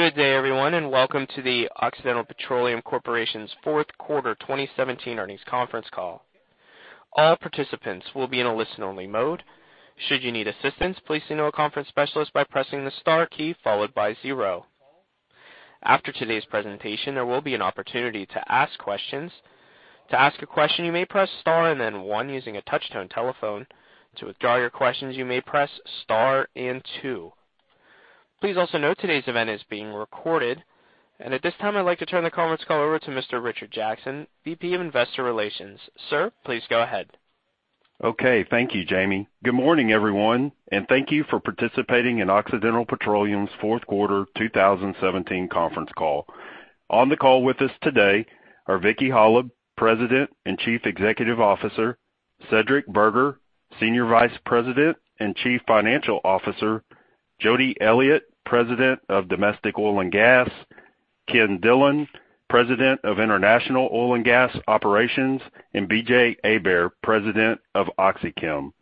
Good day everyone, welcome to the Occidental Petroleum Corporation's fourth quarter 2017 earnings conference call. All participants will be in a listen-only mode. Should you need assistance, please signal a conference specialist by pressing the star key followed by zero. After today's presentation, there will be an opportunity to ask questions. To ask a question, you may press star and then one using a touch-tone telephone. To withdraw your questions, you may press star and two. Please also note today's event is being recorded. At this time, I'd like to turn the conference call over to Mr. Richard Jackson, VP of Investor Relations. Sir, please go ahead. Okay. Thank you, Jamie. Good morning, everyone, and thank you for participating in Occidental Petroleum's fourth quarter 2017 conference call. On the call with us today are Vicki Hollub, President and Chief Executive Officer, Cedric Berger, Senior Vice President and Chief Financial Officer, Jody Elliott, President of Domestic Oil and Gas, Ken Dillon, President of International Oil and Gas Operations, and BJ Hebert, President of OxyChem.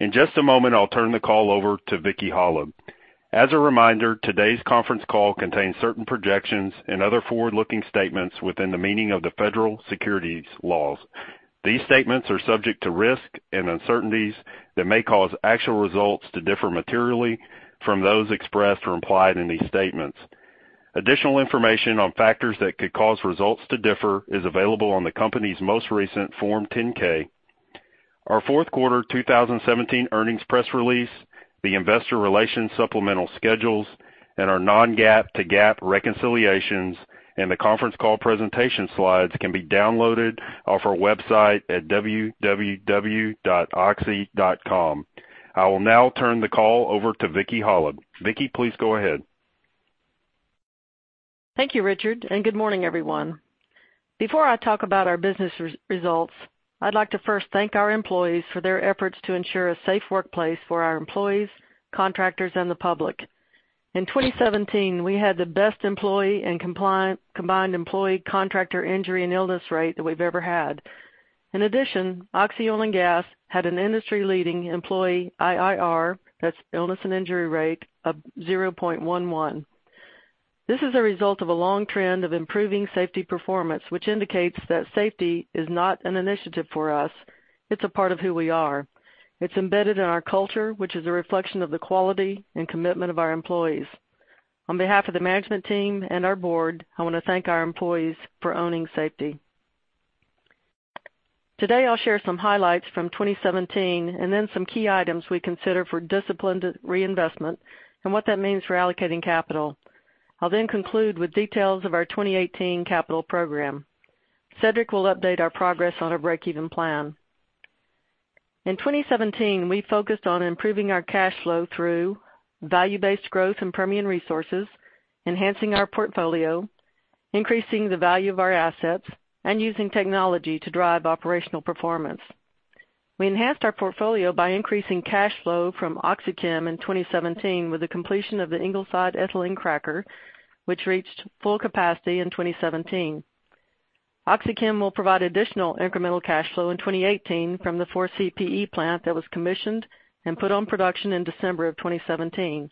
In just a moment, I'll turn the call over to Vicki Hollub. As a reminder, today's conference call contains certain projections and other forward-looking statements within the meaning of the federal securities laws. These statements are subject to risk and uncertainties that may cause actual results to differ materially from those expressed or implied in these statements. Additional information on factors that could cause results to differ is available on the company's most recent Form 10-K. Our fourth quarter 2017 earnings press release, the investor relations supplemental schedules, and our non-GAAP to GAAP reconciliations, and the conference call presentation slides can be downloaded off our website at www.oxy.com. I will now turn the call over to Vicki Hollub. Vicki, please go ahead. Thank you, Richard, and good morning, everyone. Before I talk about our business results, I'd like to first thank our employees for their efforts to ensure a safe workplace for our employees, contractors, and the public. In 2017, we had the best employee and combined employee contractor injury and illness rate that we've ever had. In addition, Oxy Oil and Gas had an industry-leading employee IIR, that's illness and injury rate, of 0.11. This is a result of a long trend of improving safety performance, which indicates that safety is not an initiative for us, it's a part of who we are. It's embedded in our culture, which is a reflection of the quality and commitment of our employees. On behalf of the management team and our board, I want to thank our employees for owning safety. Today, I'll share some highlights from 2017 and then some key items we consider for disciplined reinvestment and what that means for allocating capital. I'll then conclude with details of our 2018 capital program. Cedric will update our progress on our breakeven plan. In 2017, we focused on improving our cash flow through value-based growth in Permian Resources, enhancing our portfolio, increasing the value of our assets, and using technology to drive operational performance. We enhanced our portfolio by increasing cash flow from OxyChem in 2017 with the completion of the Ingleside ethylene cracker, which reached full capacity in 2017. OxyChem will provide additional incremental cash flow in 2018 from the 4CPE plant that was commissioned and put on production in December of 2017.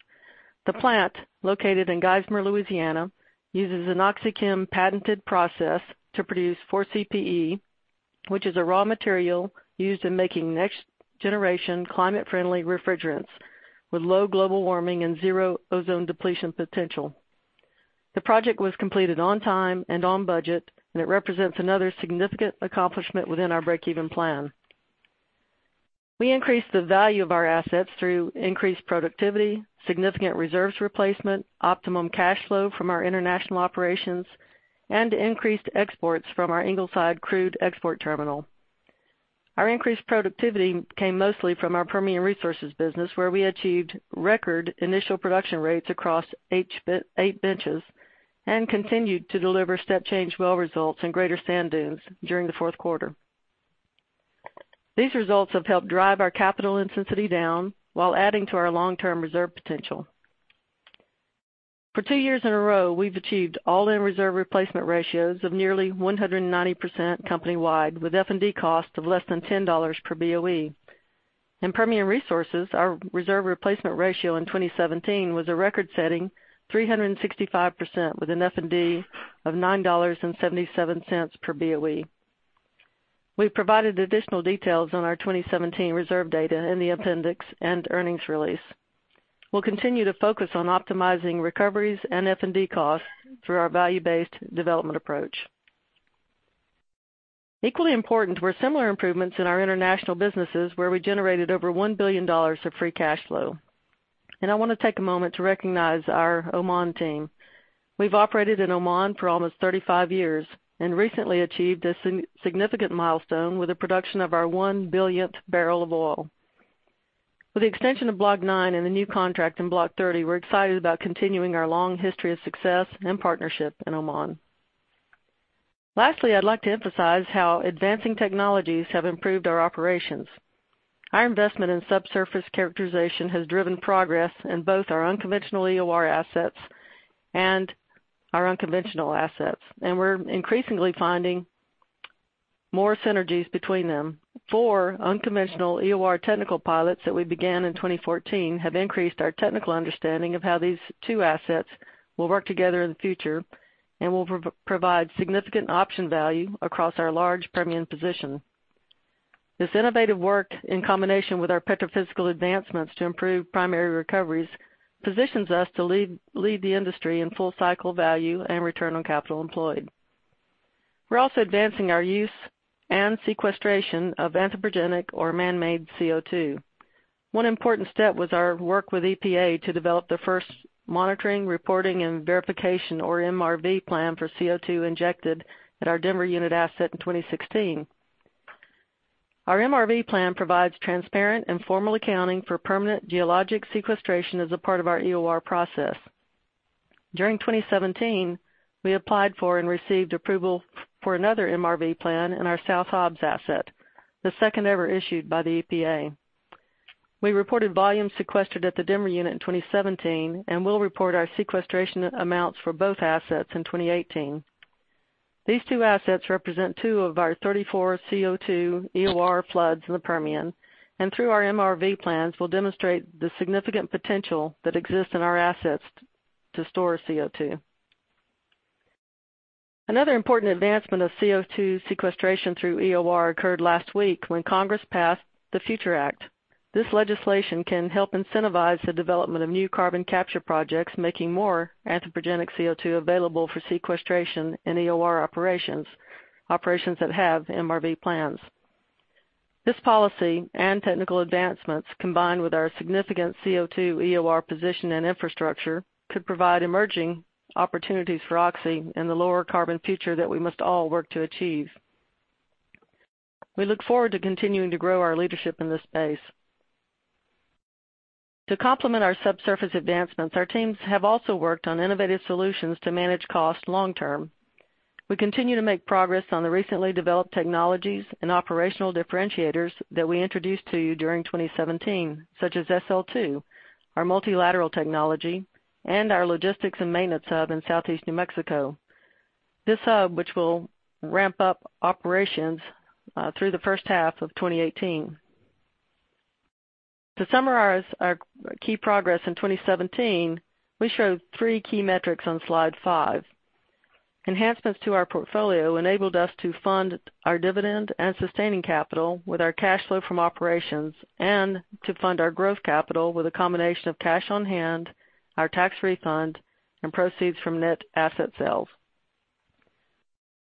The plant, located in Geismar, Louisiana, uses an OxyChem-patented process to produce 4CPE, which is a raw material used in making next-generation climate-friendly refrigerants with low global warming and zero ozone depletion potential. The project was completed on time and on budget, and it represents another significant accomplishment within our breakeven plan. We increased the value of our assets through increased productivity, significant reserves replacement, optimum cash flow from our international operations, and increased exports from our Ingleside crude export terminal. Our increased productivity came mostly from our Permian Resources business, where we achieved record initial production rates across eight benches and continued to deliver step-change well results in Greater Barilla Draw during the fourth quarter. These results have helped drive our capital intensity down while adding to our long-term reserve potential. For two years in a row, we've achieved all-in reserve replacement ratios of nearly 190% company-wide, with F&D costs of less than $10 per BOE. In Permian Resources, our reserve replacement ratio in 2017 was a record-setting 365%, with an F&D of $9.77 per BOE. We've provided additional details on our 2017 reserve data in the appendix and earnings release. We'll continue to focus on optimizing recoveries and F&D costs through our value-based development approach. Equally important were similar improvements in our international businesses, where we generated over $1 billion of free cash flow. I want to take a moment to recognize our Oman team. We've operated in Oman for almost 35 years and recently achieved a significant milestone with the production of our one-billionth barrel of oil. With the extension of Block 9 and the new contract in Block 30, we're excited about continuing our long history of success and partnership in Oman. Lastly, I'd like to emphasize how advancing technologies have improved our operations. Our investment in subsurface characterization has driven progress in both our unconventional EOR assets and our unconventional assets, and we're increasingly finding more synergies between them. Four unconventional EOR technical pilots that we began in 2014 have increased our technical understanding of how these two assets will work together in the future and will provide significant option value across our large Permian position. This innovative work, in combination with our petrophysical advancements to improve primary recoveries, positions us to lead the industry in full cycle value and return on capital employed. We're also advancing our use and sequestration of anthropogenic or man-made CO2. One important step was our work with EPA to develop the first monitoring, reporting, and verification, or MRV plan, for CO2 injected at our Denver unit asset in 2016. Our MRV plan provides transparent and formal accounting for permanent geologic sequestration as a part of our EOR process. During 2017, we applied for and received approval for another MRV plan in our South Hobbs asset, the second ever issued by the EPA. We reported volumes sequestered at the Denver unit in 2017 and will report our sequestration amounts for both assets in 2018. These two assets represent two of our 34 CO2 EOR floods in the Permian, and through our MRV plans, we'll demonstrate the significant potential that exists in our assets to store CO2. Another important advancement of CO2 sequestration through EOR occurred last week when Congress passed the FUTURE Act. This legislation can help incentivize the development of new carbon capture projects, making more anthropogenic CO2 available for sequestration in EOR operations that have MRV plans. This policy and technical advancements, combined with our significant CO2 EOR position and infrastructure, could provide emerging opportunities for Oxy in the lower carbon future that we must all work to achieve. We look forward to continuing to grow our leadership in this space. To complement our subsurface advancements, our teams have also worked on innovative solutions to manage costs long term. We continue to make progress on the recently developed technologies and operational differentiators that we introduced to you during 2017, such as SL2, our multilateral technology, and our logistics and maintenance hub in Southeast New Mexico. This hub, which will ramp up operations through the first half of 2018. To summarize our key progress in 2017, we show three key metrics on slide five. Enhancements to our portfolio enabled us to fund our dividend and sustaining capital with our cash flow from operations and to fund our growth capital with a combination of cash on hand, our tax refund, and proceeds from net asset sales.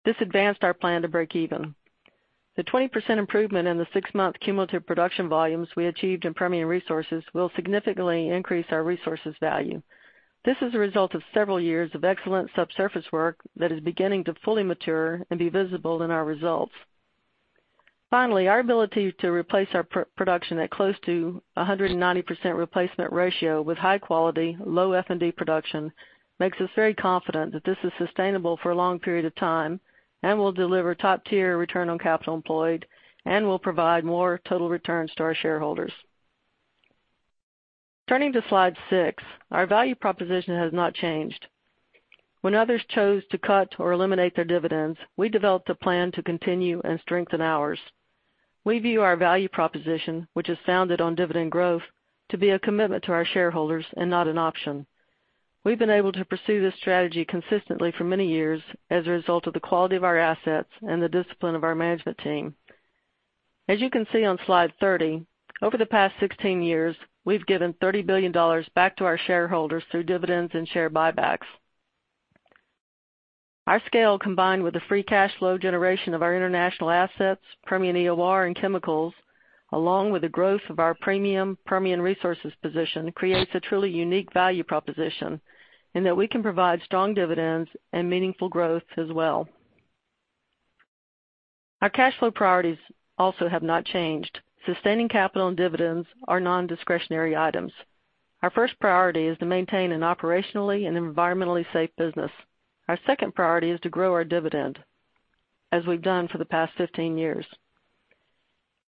This advanced our plan to break even. The 20% improvement in the six-month cumulative production volumes we achieved in Permian Resources will significantly increase our resources value. This is a result of several years of excellent subsurface work that is beginning to fully mature and be visible in our results. Finally, our ability to replace our production at close to 190% replacement ratio with high quality, low F&D production makes us very confident that this is sustainable for a long period of time and will deliver top-tier return on capital employed and will provide more total returns to our shareholders. Turning to slide six, our value proposition has not changed. When others chose to cut or eliminate their dividends, we developed a plan to continue and strengthen ours. We view our value proposition, which is founded on dividend growth, to be a commitment to our shareholders and not an option. We've been able to pursue this strategy consistently for many years as a result of the quality of our assets and the discipline of our management team. As you can see on slide 30, over the past 16 years, we've given $30 billion back to our shareholders through dividends and share buybacks. Our scale, combined with the free cash flow generation of our international assets, Permian EOR, and chemicals, along with the growth of our premium Permian Resources position, creates a truly unique value proposition in that we can provide strong dividends and meaningful growth as well. Our cash flow priorities also have not changed. Sustaining capital and dividends are non-discretionary items. Our first priority is to maintain an operationally and environmentally safe business. Our second priority is to grow our dividend, as we've done for the past 15 years.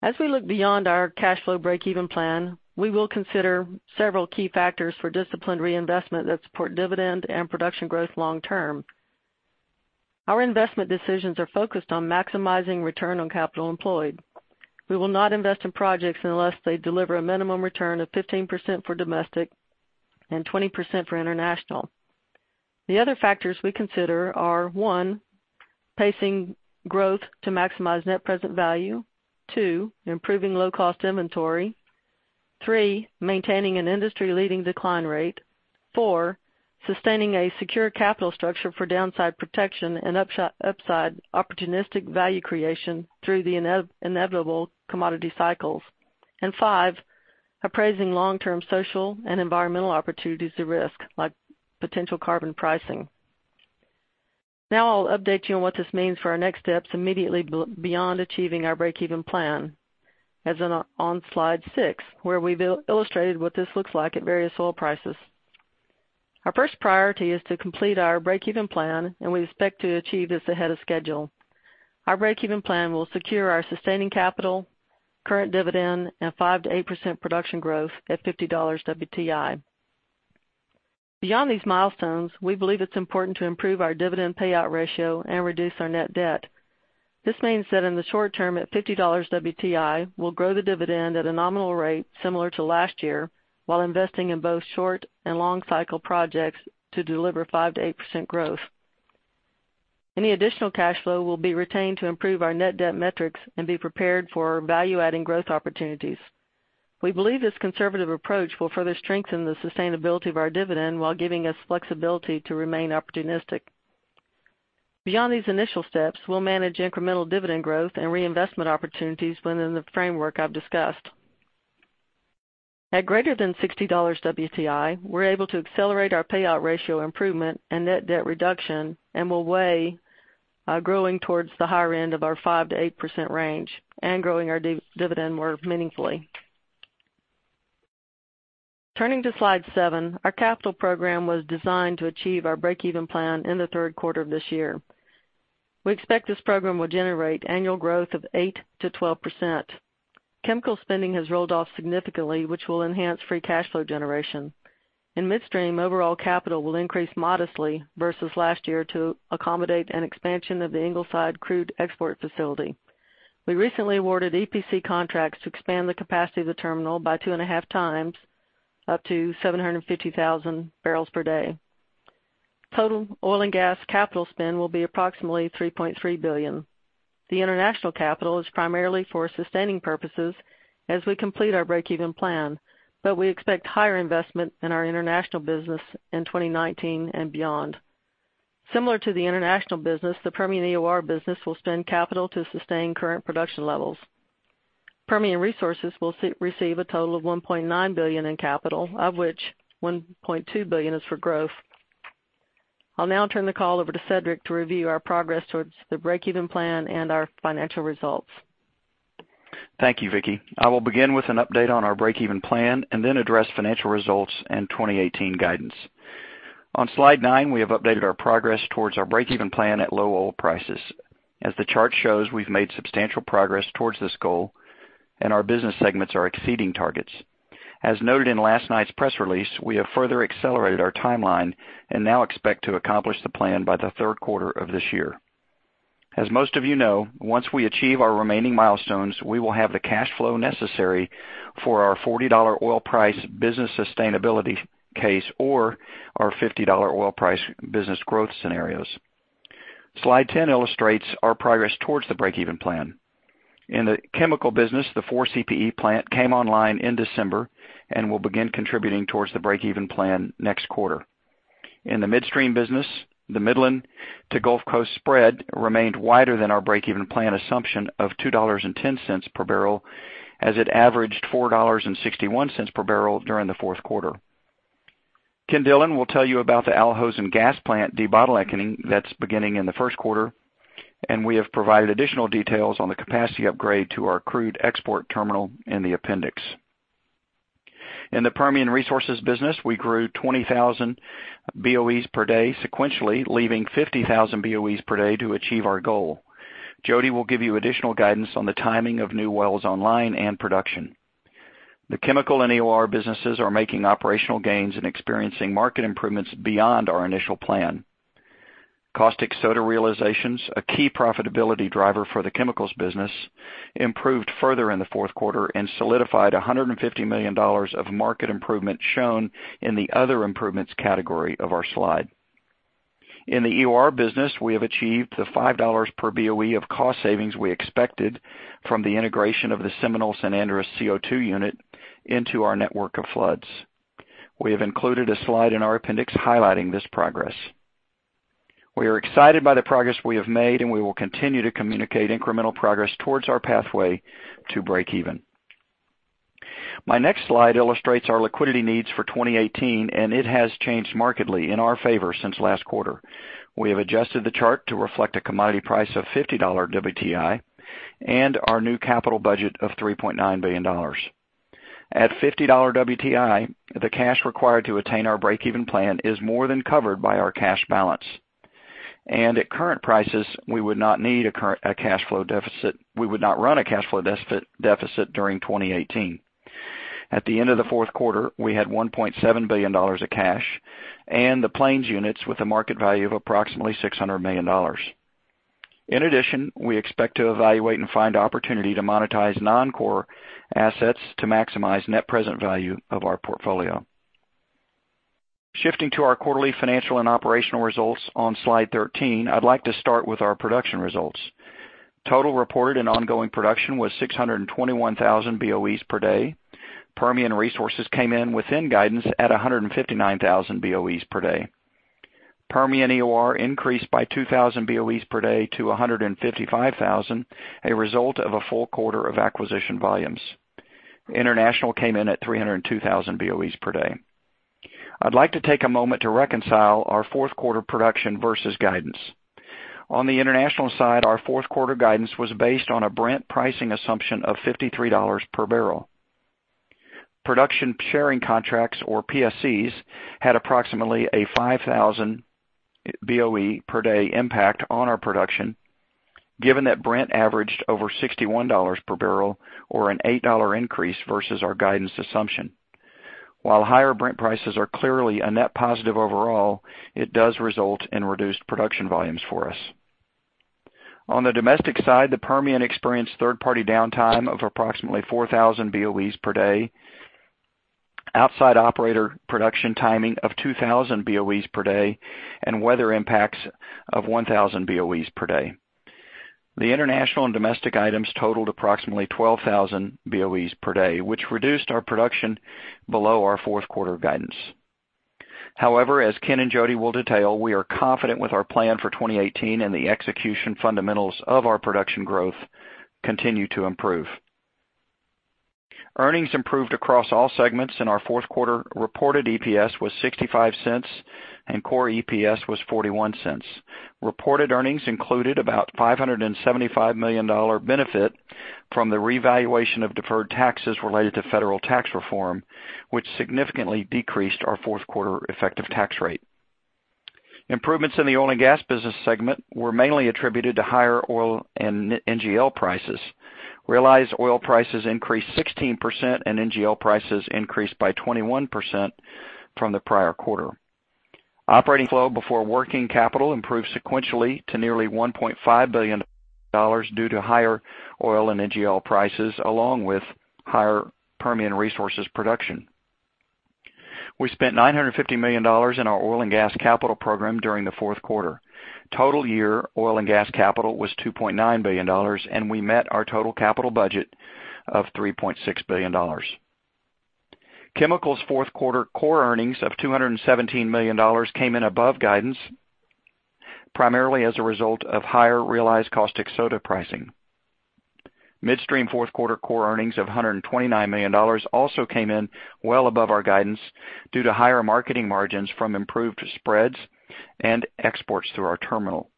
As we look beyond our cash flow breakeven plan, we will consider several key factors for disciplined reinvestment that support dividend and production growth long term. Our investment decisions are focused on maximizing return on capital employed. We will not invest in projects unless they deliver a minimum return of 15% for domestic and 20% for international. The other factors we consider are, one, pacing growth to maximize net present value. Two, improving low cost inventory. Three, maintaining an industry-leading decline rate. Four, sustaining a secure capital structure for downside protection and upside opportunistic value creation through the inevitable commodity cycles. Five, appraising long-term social and environmental opportunities to risk, like potential carbon pricing. Now I'll update you on what this means for our next steps immediately beyond achieving our break even plan, as on slide six, where we've illustrated what this looks like at various oil prices. Our first priority is to complete our break even plan, and we expect to achieve this ahead of schedule. Our break even plan will secure our sustaining capital, current dividend, and 5%-8% production growth at $50 WTI. Beyond these milestones, we believe it's important to improve our dividend payout ratio and reduce our net debt. This means that in the short term, at $50 WTI, we'll grow the dividend at a nominal rate similar to last year, while investing in both short and long-cycle projects to deliver 5%-8% growth. Any additional cash flow will be retained to improve our net debt metrics and be prepared for value-adding growth opportunities. We believe this conservative approach will further strengthen the sustainability of our dividend while giving us flexibility to remain opportunistic. Beyond these initial steps, we'll manage incremental dividend growth and reinvestment opportunities within the framework I've discussed. At greater than $60 WTI, we're able to accelerate our payout ratio improvement and net debt reduction, and will weigh growing towards the higher end of our 5%-8% range and growing our dividend more meaningfully. Turning to slide seven, our capital program was designed to achieve our breakeven plan in the third quarter of this year. We expect this program will generate annual growth of 8%-12%. Chemical spending has rolled off significantly, which will enhance free cash flow generation. In Midstream, overall capital will increase modestly versus last year to accommodate an expansion of the Ingleside crude export facility. We recently awarded EPC contracts to expand the capacity of the terminal by two and a half times, up to 750,000 barrels per day. Total oil and gas capital spend will be approximately $3.3 billion. The international capital is primarily for sustaining purposes as we complete our breakeven plan. We expect higher investment in our international business in 2019 and beyond. Similar to the international business, the Permian EOR business will spend capital to sustain current production levels. Permian Resources will receive a total of $1.9 billion in capital, of which $1.2 billion is for growth. I'll now turn the call over to Cedric to review our progress towards the breakeven plan and our financial results. Thank you, Vicki. I will begin with an update on our breakeven plan and then address financial results and 2018 guidance. On slide nine, we have updated our progress towards our breakeven plan at low oil prices. As the chart shows, we've made substantial progress towards this goal, and our business segments are exceeding targets. As noted in last night's press release, we have further accelerated our timeline and now expect to accomplish the plan by the third quarter of this year. As most of you know, once we achieve our remaining milestones, we will have the cash flow necessary for our $40 oil price business sustainability case or our $50 oil price business growth scenarios. Slide ten illustrates our progress towards the breakeven plan. In the chemical business, the 4CPE plant came online in December and will begin contributing towards the breakeven plan next quarter. In the Midstream business, the Midland to Gulf Coast spread remained wider than our breakeven plan assumption of $2.10 per barrel, as it averaged $4.61 per barrel during the fourth quarter. Ken Dillon will tell you about the Al Hosn gas plant debottlenecking that's beginning in the first quarter, and we have provided additional details on the capacity upgrade to our crude export terminal in the appendix. In the Permian Resources business, we grew 20,000 BOEs per day sequentially, leaving 50,000 BOEs per day to achieve our goal. Jody will give you additional guidance on the timing of new wells online and production. The chemical and EOR businesses are making operational gains and experiencing market improvements beyond our initial plan. Caustic soda realizations, a key profitability driver for the chemicals business, improved further in the fourth quarter and solidified $150 million of market improvement shown in the other improvements category of our slide. In the EOR business, we have achieved the $5 per BOE of cost savings we expected from the integration of the Seminole-San Andres CO2 unit into our network of floods. We have included a slide in our appendix highlighting this progress. We are excited by the progress we have made. We will continue to communicate incremental progress towards our pathway to breakeven. My next slide illustrates our liquidity needs for 2018. It has changed markedly in our favor since last quarter. We have adjusted the chart to reflect a commodity price of $50 WTI and our new capital budget of $3.9 billion. At $50 WTI, the cash required to attain our breakeven plan is more than covered by our cash balance. At current prices, we would not need a cash flow deficit. We would not run a cash flow deficit during 2018. At the end of the fourth quarter, we had $1.7 billion of cash and the Plains units with a market value of approximately $600 million. In addition, we expect to evaluate and find opportunity to monetize non-core assets to maximize net present value of our portfolio. Shifting to our quarterly financial and operational results on slide 13, I'd like to start with our production results. Total reported and ongoing production was 621,000 BOEs per day. Permian Resources came in within guidance at 159,000 BOEs per day. Permian EOR increased by 2,000 BOEs per day to 155,000, a result of a full quarter of acquisition volumes. International came in at 302,000 BOEs per day. I'd like to take a moment to reconcile our fourth quarter production versus guidance. On the international side, our fourth quarter guidance was based on a Brent pricing assumption of $53 per barrel. Production sharing contracts, or PSCs, had approximately a 5,000 BOE per day impact on our production. Given that Brent averaged over $61 per barrel, or an $8 increase versus our guidance assumption. While higher Brent prices are clearly a net positive overall, it does result in reduced production volumes for us. On the domestic side, the Permian experienced third-party downtime of approximately 4,000 BOEs per day, outside operator production timing of 2,000 BOEs per day, and weather impacts of 1,000 BOEs per day. The international and domestic items totaled approximately 12,000 BOEs per day, which reduced our production below our fourth quarter guidance. As Ken and Jody will detail, we are confident with our plan for 2018 and the execution fundamentals of our production growth continue to improve. Earnings improved across all segments, our fourth quarter reported EPS was $0.65, and core EPS was $0.41. Reported earnings included about $575 million benefit from the revaluation of deferred taxes related to federal tax reform, which significantly decreased our fourth-quarter effective tax rate. Improvements in the oil and gas business segment were mainly attributed to higher oil and NGL prices. Realized oil prices increased 16%, and NGL prices increased by 21% from the prior quarter. Operating flow before working capital improved sequentially to nearly $1.5 billion due to higher oil and NGL prices, along with higher Permian Resources production. We spent $950 million in our oil and gas capital program during the fourth quarter. Total year oil and gas capital was $2.9 billion, and we met our total capital budget of $3.6 billion. Chemicals' fourth quarter core earnings of $217 million came in above guidance, primarily as a result of higher realized caustic soda pricing. Midstream fourth quarter core earnings of $129 million also came in well above our guidance due to higher marketing margins from improved spreads and exports through our terminal.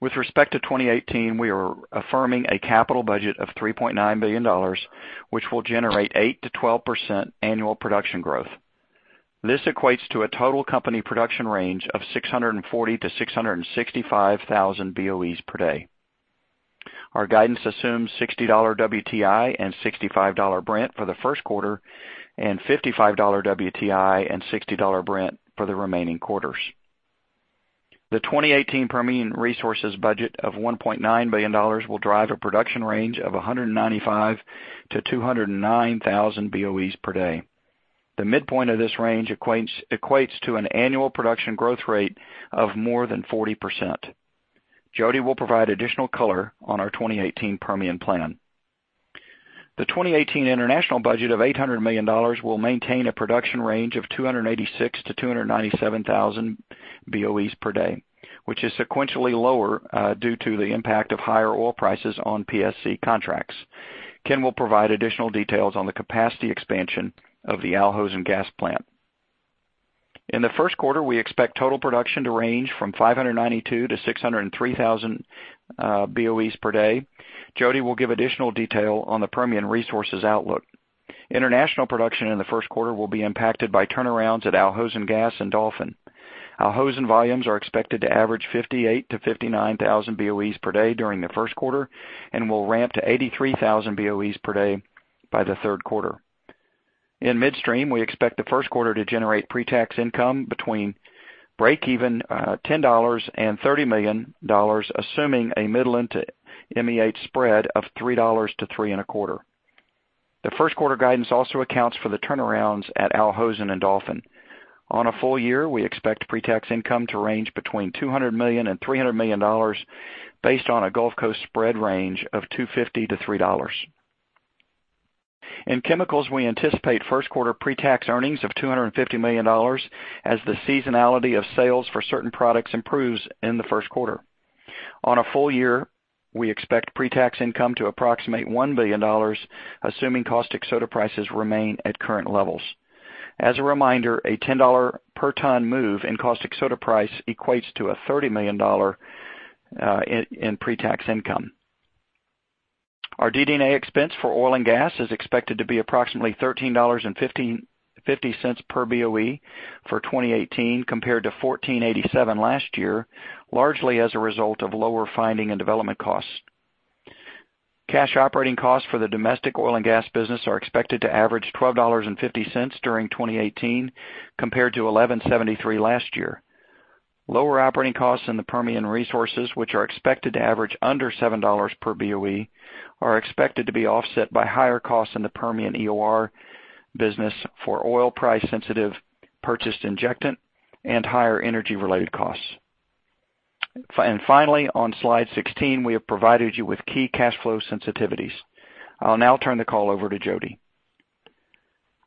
With respect to 2018, we are affirming a capital budget of $3.9 billion, which will generate 8%-12% annual production growth. This equates to a total company production range of 640,000 to 665,000 BOEs per day. Our guidance assumes $60 WTI and $65 Brent for the first quarter, and $55 WTI and $60 Brent for the remaining quarters. The 2018 Permian Resources budget of $1.9 billion will drive a production range of 195,000 to 209,000 BOEs per day. The midpoint of this range equates to an annual production growth rate of more than 40%. Jody will provide additional color on our 2018 Permian plan. The 2018 international budget of $800 million will maintain a production range of 286,000-297,000 BOEs per day, which is sequentially lower due to the impact of higher oil prices on PSC contracts. Ken will provide additional details on the capacity expansion of the Al Hosn gas plant. In the first quarter, we expect total production to range from 592,000-603,000 BOEs per day. Jody will give additional detail on the Permian Resources outlook. International production in the first quarter will be impacted by turnarounds at Al Hosn Gas and Dolphin. Al Hosn volumes are expected to average 58,000-59,000 BOEs per day during the first quarter and will ramp to 83,000 BOEs per day by the third quarter. In midstream, we expect the first quarter to generate pre-tax income between breakeven $10 million and $30 million, assuming a Midland to MEH spread of $3-$3.25. The first quarter guidance also accounts for the turnarounds at Al Hosn and Dolphin. On a full year, we expect pre-tax income to range between $200 million and $300 million based on a Gulf Coast spread range of $2.50-$3. In chemicals, we anticipate first-quarter pre-tax earnings of $250 million as the seasonality of sales for certain products improves in the first quarter. On a full year, we expect pre-tax income to approximate $1 billion, assuming caustic soda prices remain at current levels. As a reminder, a $10 per ton move in caustic soda price equates to a $30 million in pre-tax income. Our DD&A expense for oil and gas is expected to be approximately $13.50 per BOE for 2018 compared to $14.87 last year, largely as a result of lower finding and development costs. Cash operating costs for the domestic oil and gas business are expected to average $12.50 during 2018 compared to $11.73 last year. Lower operating costs in the Permian Resources, which are expected to average under $7 per BOE, are expected to be offset by higher costs in the Permian EOR business for oil price sensitive purchased injectant and higher energy-related costs. Finally, on slide 16, we have provided you with key cash flow sensitivities. I'll now turn the call over to Jody.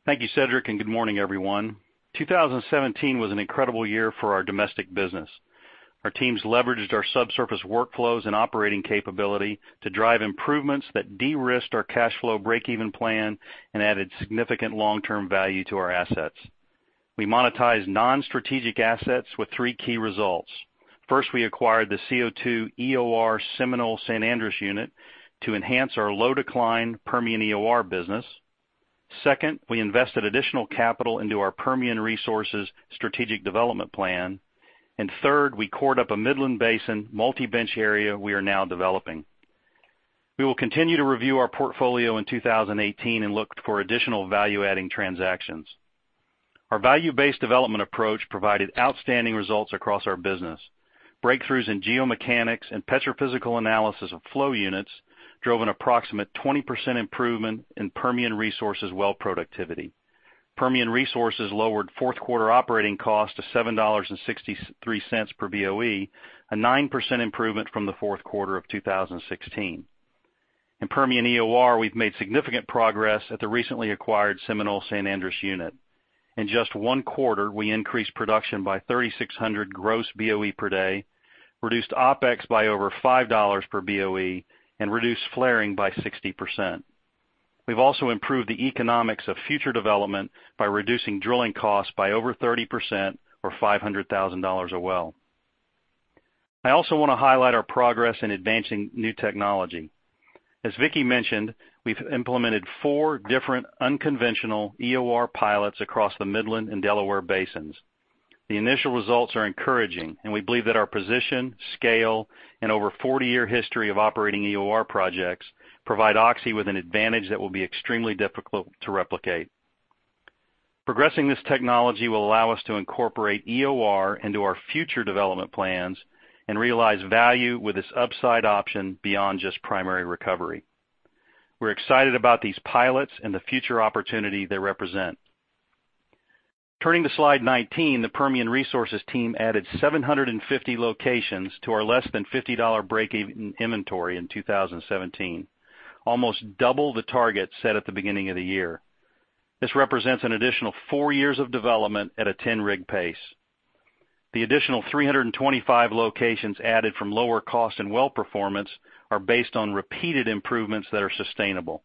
Thank you, Cedric, good morning, everyone. 2017 was an incredible year for our domestic business. Our teams leveraged our subsurface workflows and operating capability to drive improvements that de-risked our cash flow breakeven plan and added significant long-term value to our assets. We monetized non-strategic assets with three key results. First, we acquired the CO2 EOR Seminole San Andres unit to enhance our low-decline Permian EOR business. Second, we invested additional capital into our Permian Resources strategic development plan. Third, we cored up a Midland Basin multi-bench area we are now developing. We will continue to review our portfolio in 2018 and look for additional value-adding transactions. Our value-based development approach provided outstanding results across our business. Breakthroughs in geomechanics and petrophysical analysis of flow units drove an approximate 20% improvement in Permian Resources well productivity. Permian Resources lowered fourth quarter operating costs to $7.63 per BOE, a 9% improvement from the fourth quarter of 2016. In Permian EOR, we've made significant progress at the recently acquired Seminole/San Andres unit. In just one quarter, we increased production by 3,600 gross BOE per day, reduced OpEx by over $5 per BOE, and reduced flaring by 60%. We've also improved the economics of future development by reducing drilling costs by over 30%, or $500,000 a well. I also want to highlight our progress in advancing new technology. As Vicki mentioned, we've implemented four different unconventional EOR pilots across the Midland and Delaware Basins. The initial results are encouraging, and we believe that our position, scale, and over 40-year history of operating EOR projects provide Oxy with an advantage that will be extremely difficult to replicate. Progressing this technology will allow us to incorporate EOR into our future development plans and realize value with this upside option beyond just primary recovery. We're excited about these pilots and the future opportunity they represent. Turning to slide 19, the Permian Resources team added 750 locations to our less than $50 breakeven inventory in 2017, almost double the target set at the beginning of the year. This represents an additional four years of development at a 10-rig pace. The additional 325 locations added from lower cost and well performance are based on repeated improvements that are sustainable.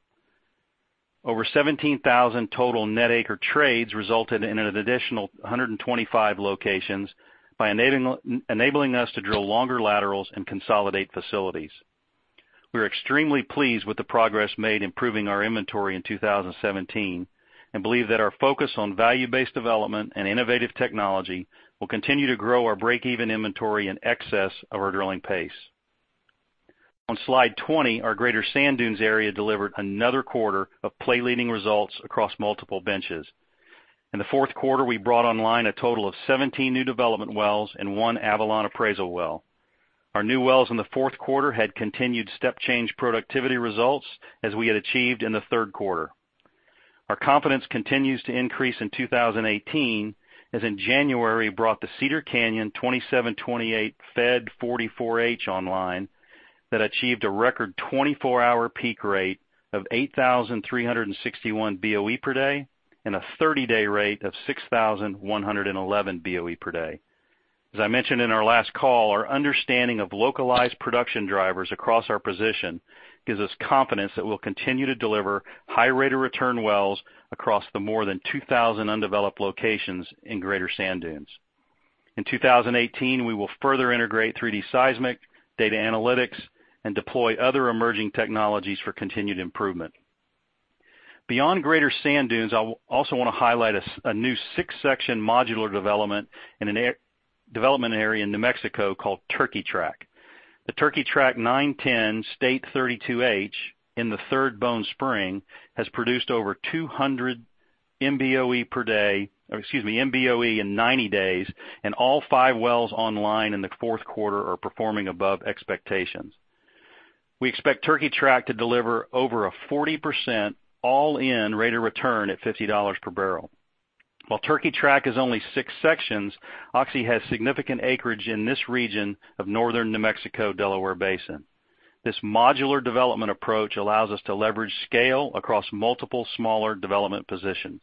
Over 17,000 total net acre trades resulted in an additional 125 locations by enabling us to drill longer laterals and consolidate facilities. We're extremely pleased with the progress made improving our inventory in 2017 and believe that our focus on value-based development and innovative technology will continue to grow our breakeven inventory in excess of our drilling pace. On slide 20, our Greater Sand Dunes area delivered another quarter of play-leading results across multiple benches. In the fourth quarter, we brought online a total of 17 new development wells and one Avalon appraisal well. Our new wells in the fourth quarter had continued step change productivity results, as we had achieved in the third quarter. Our confidence continues to increase in 2018, as in January brought the Cedar Canyon 2728 Fed 44H online that achieved a record 24-hour peak rate of 8,361 BOE per day and a 30-day rate of 6,111 BOE per day. As I mentioned in our last call, our understanding of localized production drivers across our position gives us confidence that we'll continue to deliver high rate of return wells across the more than 2,000 undeveloped locations in Greater Sand Dunes. In 2018, we will further integrate 3D seismic, data analytics, and deploy other emerging technologies for continued improvement. Beyond Greater Sand Dunes, I also want to highlight a new six-section modular development area in New Mexico called Turkey Track. The Turkey Track 910 Space 32H in the Third Bone Spring has produced over 200 MBOE in 90 days, and all five wells online in the fourth quarter are performing above expectations. We expect Turkey Track to deliver over a 40% all-in rate of return at $50 per barrel. While Turkey Track is only six sections, Oxy has significant acreage in this region of Northern New Mexico-Delaware Basin. This modular development approach allows us to leverage scale across multiple smaller development positions.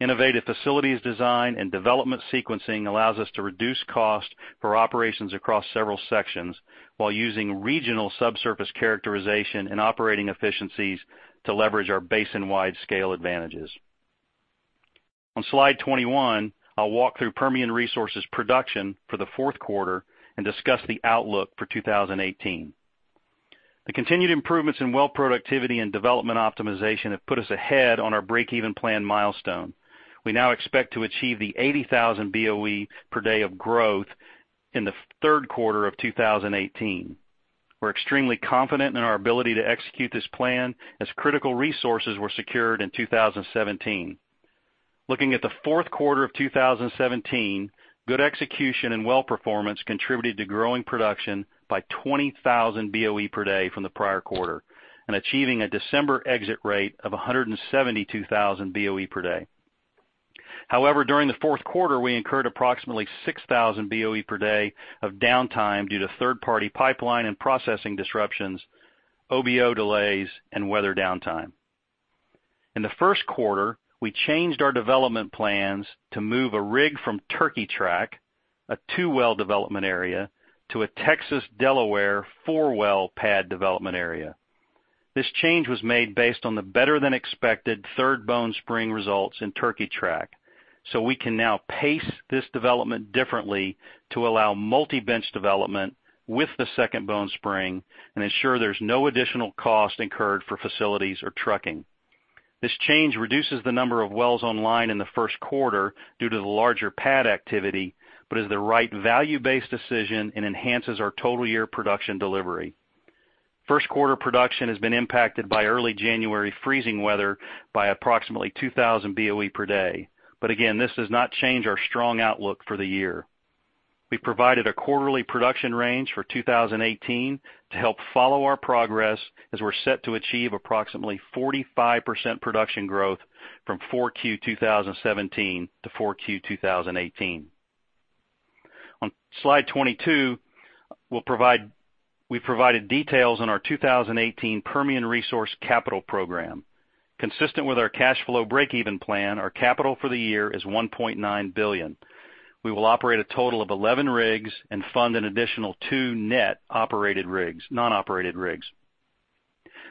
Innovative facilities design and development sequencing allows us to reduce cost for operations across several sections, while using regional subsurface characterization and operating efficiencies to leverage our basin-wide scale advantages. On slide 21, I'll walk through Permian Resources production for the fourth quarter and discuss the outlook for 2018. The continued improvements in well productivity and development optimization have put us ahead on our breakeven plan milestone. We now expect to achieve the 80,000 BOE per day of growth in the third quarter of 2018. We're extremely confident in our ability to execute this plan, as critical resources were secured in 2017. Looking at the fourth quarter of 2017, good execution and well performance contributed to growing production by 20,000 BOE per day from the prior quarter and achieving a December exit rate of 172,000 BOE per day. During the fourth quarter, we incurred approximately 6,000 BOE per day of downtime due to third-party pipeline and processing disruptions, OBO delays, and weather downtime. In the first quarter, we changed our development plans to move a rig from Turkey Track, a two-well development area, to a Texas Delaware four-well pad development area. This change was made based on the better-than-expected Third Bone Spring results in Turkey Track. We can now pace this development differently to allow multi-bench development with the Second Bone Spring and ensure there's no additional cost incurred for facilities or trucking. This change reduces the number of wells online in the first quarter due to the larger pad activity, but is the right value-based decision and enhances our total year production delivery. First quarter production has been impacted by early January freezing weather by approximately 2,000 BOE per day. Again, this does not change our strong outlook for the year. We've provided a quarterly production range for 2018 to help follow our progress as we're set to achieve approximately 45% production growth from 4Q 2017 to 4Q 2018. On slide 22, we've provided details on our 2018 Permian Resources capital program. Consistent with our cash flow breakeven plan, our capital for the year is $1.9 billion. We will operate a total of 11 rigs and fund an additional two net non-operated rigs.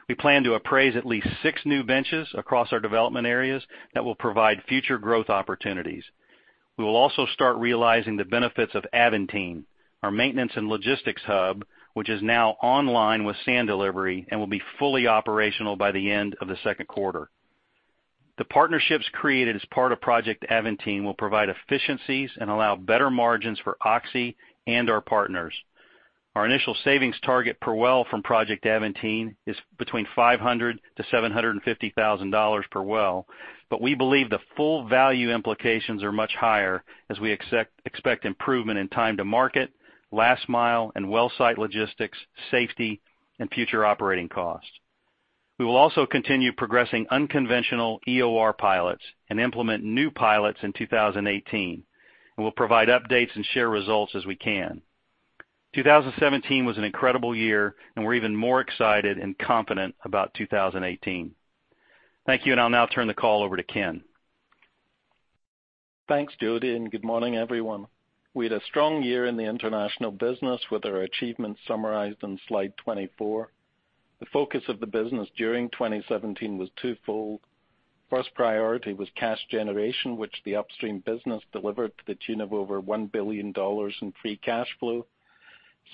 We plan to appraise at least six new benches across our development areas that will provide future growth opportunities. We will also start realizing the benefits of Aventine, our maintenance and logistics hub, which is now online with sand delivery and will be fully operational by the end of the second quarter. The partnerships created as part of Project Aventine will provide efficiencies and allow better margins for Oxy and our partners. Our initial savings target per well from Project Aventine is between $500,000-$750,000 per well, but we believe the full value implications are much higher as we expect improvement in time to market, last mile and well site logistics, safety, and future operating costs. We will also continue progressing unconventional EOR pilots and implement new pilots in 2018, and we'll provide updates and share results as we can. 2017 was an incredible year. We're even more excited and confident about 2018. Thank you. I'll now turn the call over to Ken. Thanks, Jody. Good morning, everyone. We had a strong year in the international business with our achievements summarized on slide 24. The focus of the business during 2017 was twofold. First priority was cash generation, which the upstream business delivered to the tune of over $1 billion in free cash flow.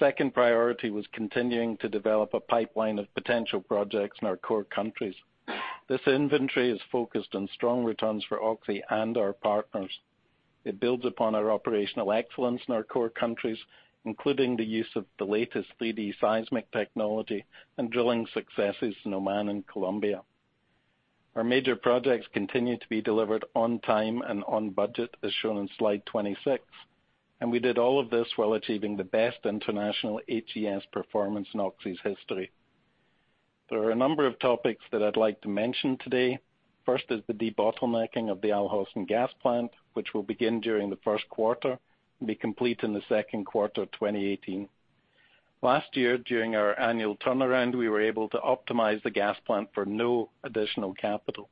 Second priority was continuing to develop a pipeline of potential projects in our core countries. This inventory is focused on strong returns for Oxy and our partners. It builds upon our operational excellence in our core countries, including the use of the latest 3D seismic technology and drilling successes in Oman and Colombia. Our major projects continue to be delivered on time and on budget, as shown on slide 26. We did all of this while achieving the best international HES performance in Oxy's history. There are a number of topics that I'd like to mention today. First is the debottlenecking of the Al Hosn gas plant, which will begin during the first quarter and be complete in the second quarter of 2018. Last year, during our annual turnaround, we were able to optimize the gas plant for no additional capital.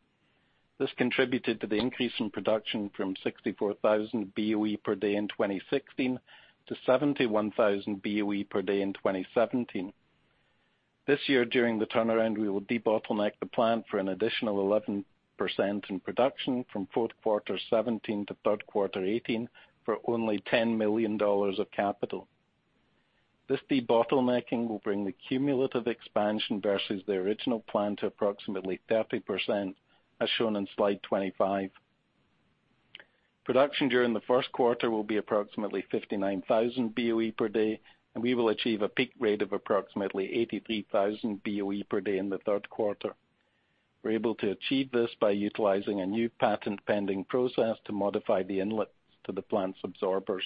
This contributed to the increase in production from 64,000 BOE per day in 2016 to 71,000 BOE per day in 2017. This year, during the turnaround, we will debottleneck the plant for an additional 11% in production from fourth quarter 2017 to third quarter 2018 for only $10 million of capital. This debottlenecking will bring the cumulative expansion versus the original plan to approximately 30%, as shown on slide 25. Production during the first quarter will be approximately 59,000 BOE per day. We will achieve a peak rate of approximately 83,000 BOE per day in the third quarter. We're able to achieve this by utilizing a new patent-pending process to modify the inlets to the plant's absorbers.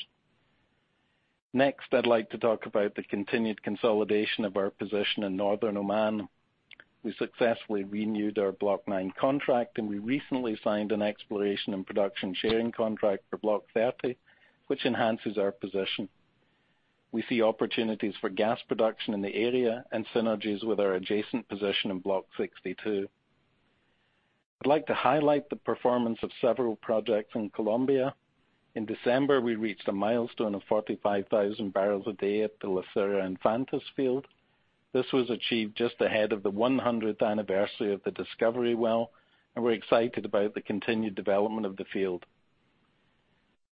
Next, I'd like to talk about the continued consolidation of our position in Northern Oman. We successfully renewed our Block 9 contract. We recently signed an exploration and production sharing contract for Block 30, which enhances our position. We see opportunities for gas production in the area and synergies with our adjacent position in Block 62. I'd like to highlight the performance of several projects in Colombia. In December, we reached a milestone of 45,000 barrels a day at the La Cira Infantas field. This was achieved just ahead of the 100th anniversary of the discovery well. We're excited about the continued development of the field.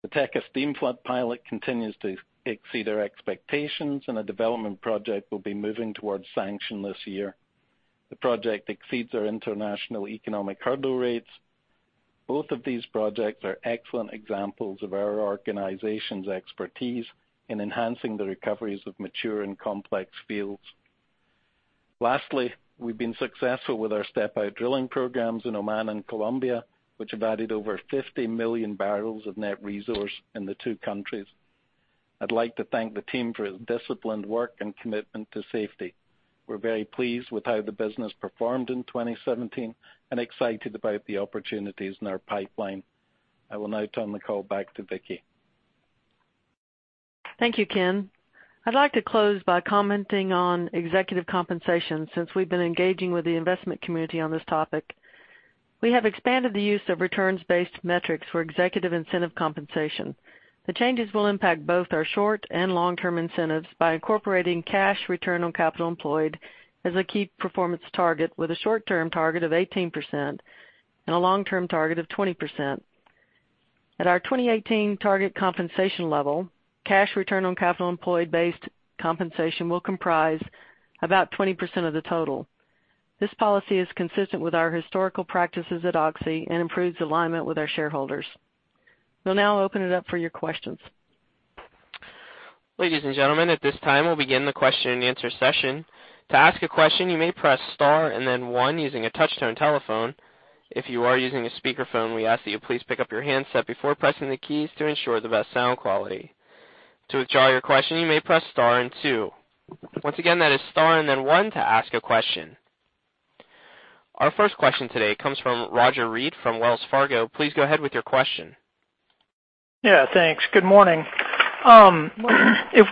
The Teca steam flood pilot continues to exceed our expectations. A development project will be moving towards sanction this year. The project exceeds our international economic hurdle rates. Both of these projects are excellent examples of our organization's expertise in enhancing the recoveries of mature and complex fields. Lastly, we've been successful with our step-out drilling programs in Oman and Colombia, which have added over 50 million barrels of net resource in the two countries. I'd like to thank the team for its disciplined work and commitment to safety. We're very pleased with how the business performed in 2017 and excited about the opportunities in our pipeline. I will now turn the call back to Vicki. Thank you, Ken. I'd like to close by commenting on executive compensation since we've been engaging with the investment community on this topic. We have expanded the use of returns-based metrics for executive incentive compensation. The changes will impact both our short- and long-term incentives by incorporating cash return on capital employed as a key performance target with a short-term target of 18% and a long-term target of 20%. At our 2018 target compensation level, cash return on capital employed-based compensation will comprise about 20% of the total. This policy is consistent with our historical practices at Oxy and improves alignment with our shareholders. We'll now open it up for your questions. Ladies and gentlemen, at this time, we'll begin the question and answer session. To ask a question, you may press star and then one using a touch-tone telephone. If you are using a speakerphone, we ask that you please pick up your handset before pressing the keys to ensure the best sound quality. To withdraw your question, you may press star and two. Once again, that is star and then one to ask a question. Our first question today comes from Roger Read from Wells Fargo. Please go ahead with your question. Yeah, thanks. Good morning. If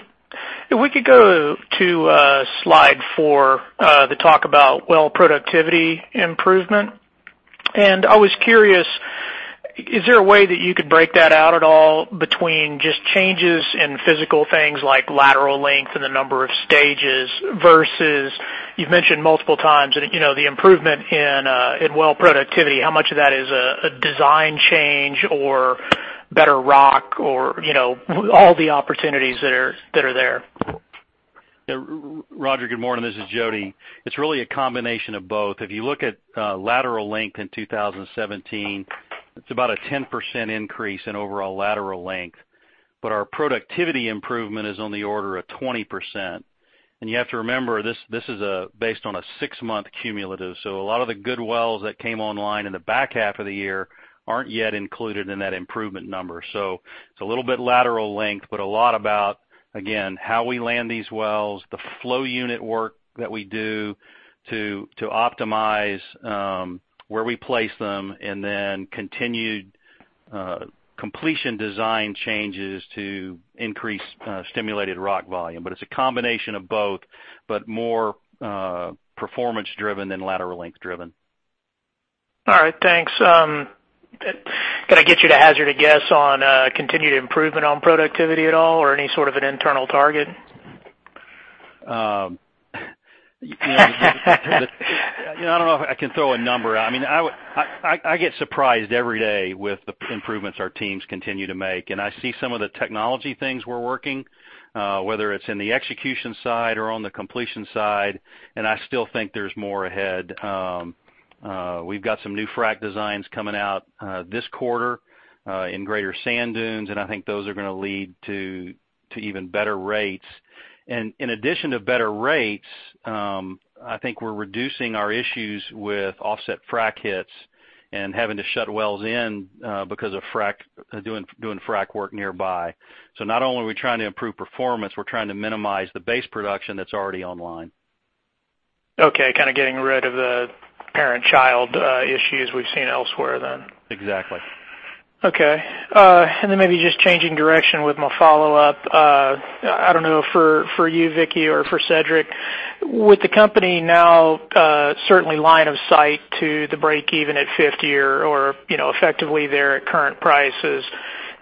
we could go to slide four, the talk about well productivity improvement. I was curious, is there a way that you could break that out at all between just changes in physical things like lateral length and the number of stages, versus you've mentioned multiple times the improvement in well productivity, how much of that is a design change or better rock or all the opportunities that are there? Roger, good morning. This is Jody. It's really a combination of both. If you look at lateral length in 2017, it's about a 10% increase in overall lateral length. Our productivity improvement is on the order of 20%. You have to remember, this is based on a six-month cumulative. A lot of the good wells that came online in the back half of the year aren't yet included in that improvement number. It's a little bit lateral length, but a lot about, again, how we land these wells, the flow unit work that we do to optimize where we place them, and then continued completion design changes to increase stimulated rock volume. It's a combination of both, but more performance driven than lateral length driven. All right. Thanks. Can I get you to hazard a guess on continued improvement on productivity at all, or any sort of an internal target? I don't know if I can throw a number out. I get surprised every day with the improvements our teams continue to make. I see some of the technology things we're working, whether it's in the execution side or on the completion side, I still think there's more ahead. We've got some new frack designs coming out this quarter in Greater Sand Dunes, I think those are going to lead to even better rates. In addition to better rates, I think we're reducing our issues with offset frack hits and having to shut wells in because of doing frack work nearby. Not only are we trying to improve performance, we're trying to minimize the base production that's already online. Okay. Kind of getting rid of the parent-child issues we've seen elsewhere, then. Exactly. Okay. Then maybe just changing direction with my follow-up. I don't know, for you, Vicki, or for Cedric, with the company now certainly line of sight to the break even at $50 or effectively there at current prices,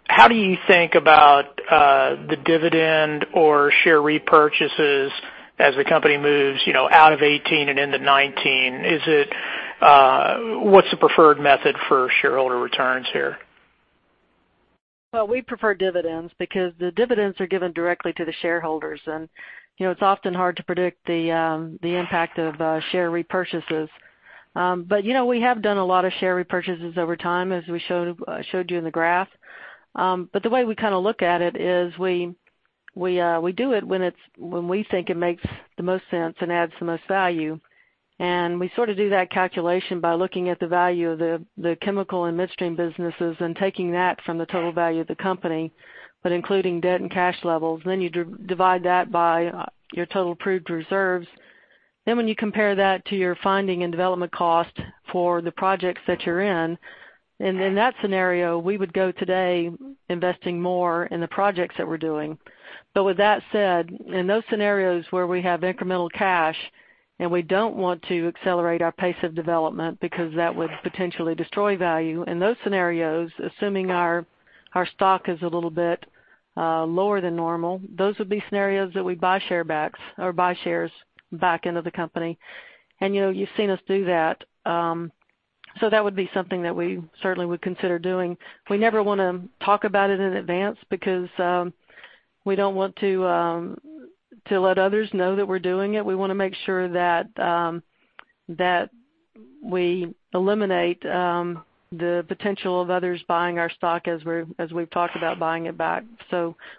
how do you think about the dividend or share repurchases as the company moves out of 2018 and into 2019? What's the preferred method for shareholder returns here? Well, we prefer dividends because the dividends are given directly to the shareholders. It's often hard to predict the impact of share repurchases. We have done a lot of share repurchases over time, as we showed you in the graph. The way we look at it is we do it when we think it makes the most sense and adds the most value. We sort of do that calculation by looking at the value of the chemical and midstream businesses and taking that from the total value of the company, including debt and cash levels. You divide that by your total proved reserves. When you compare that to your finding and development cost for the projects that you're in that scenario, we would go today investing more in the projects that we're doing. With that said, in those scenarios where we have incremental cash and we don't want to accelerate our pace of development because that would potentially destroy value, in those scenarios, assuming our stock is a little bit lower than normal, those would be scenarios that we buy share backs or buy shares back into the company. You've seen us do that. That would be something that we certainly would consider doing. We never want to talk about it in advance because we don't want to let others know that we're doing it. We want to make sure that we eliminate the potential of others buying our stock as we've talked about buying it back.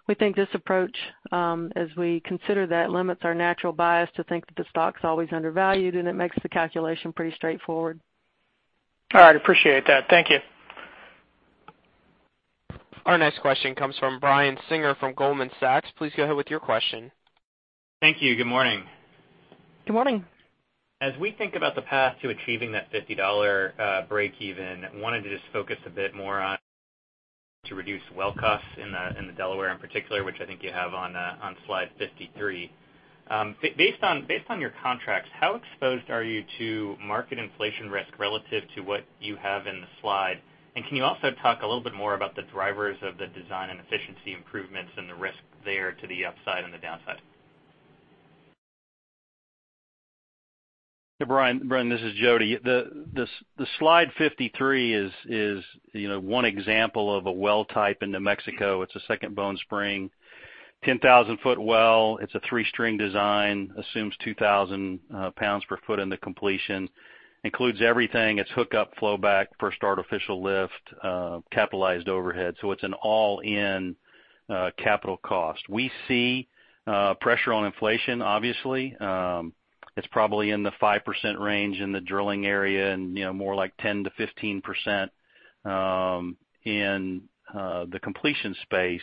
We think this approach, as we consider that, limits our natural bias to think that the stock's always undervalued, and it makes the calculation pretty straightforward. All right. Appreciate that. Thank you. Our next question comes from Brian Singer from Goldman Sachs. Please go ahead with your question. Thank you. Good morning. Good morning. As we think about the path to achieving that $50 breakeven, we wanted to just focus a bit more on to reduce well costs in the Delaware in particular, which I think you have on slide 53. Based on your contracts, how exposed are you to market inflation risk relative to what you have in the slide? Can you also talk a little bit more about the drivers of the design and efficiency improvements and the risk there to the upside and the downside? Hey, Brian. Brian, this is Jody. The slide 53 is one example of a well type in New Mexico. It's a Second Bone Spring, 10,000-foot well. It's a three-string design, assumes 2,000 pounds per foot in the completion. Includes everything. It's hookup, flowback, first artificial lift, capitalized overhead. It's an all-in capital cost. We see pressure on inflation, obviously. It's probably in the 5% range in the drilling area, and more like 10%-15% in the completion space.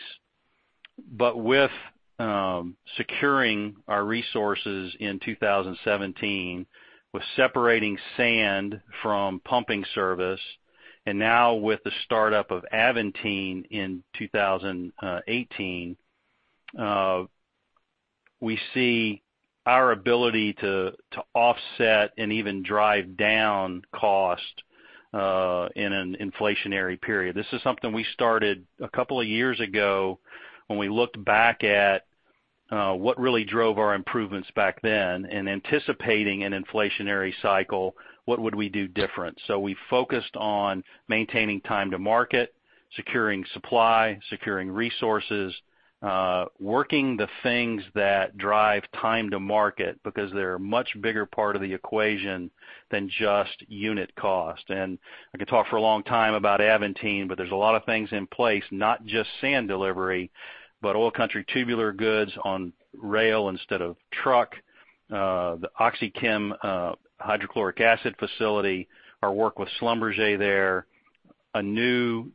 With securing our resources in 2017, with separating sand from pumping service, and now with the startup of Aventine in 2018, we see our ability to offset and even drive down cost in an inflationary period. This is something we started a couple of years ago when we looked back at what really drove our improvements back then, and anticipating an inflationary cycle, what would we do different? We focused on maintaining time to market, securing supply, securing resources, working the things that drive time to market, because they're a much bigger part of the equation than just unit cost. I could talk for a long time about Aventine, but there's a lot of things in place, not just sand delivery, but Oil Country Tubular Goods on rail instead of truck. The OxyChem hydrochloric acid facility, our work with Schlumberger there. A new